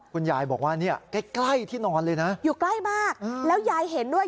คุณยายบอกว่าเนี่ยใกล้ใกล้ที่นอนเลยนะอยู่ใกล้มากแล้วยายเห็นด้วย